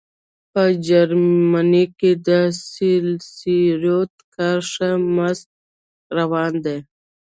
په جرمني کې د سیکیورټي کار ښه مست روان دی